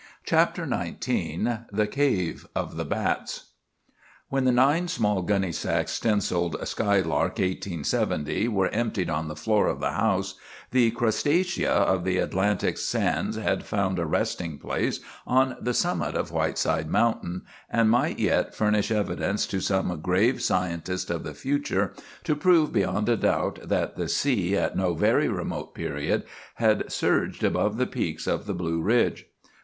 CHAPTER XIX THE CAVE OF THE BATS When the nine small gunny sacks stenciled "Skylark, 1870," were emptied on the floor of the house, the Crustacea of the Atlantic's sands had found a resting place on the summit of Whiteside Mountain, and might yet furnish evidence to some grave scientist of the future to prove beyond a doubt that the sea at no very remote period had surged above the peaks of the Blue Ridge.